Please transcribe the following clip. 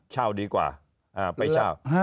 เช่าดีกว่าไปเช่า